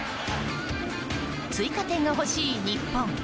追加点が欲しい日本。